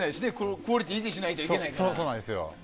クオリティー維持しないといけないから。